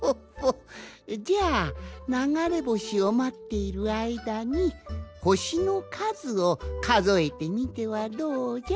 じゃあながれぼしをまっているあいだにほしのかずをかぞえてみてはどうじゃ？